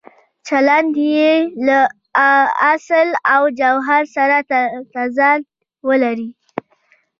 چلند یې له اصل او جوهر سره تضاد ولري.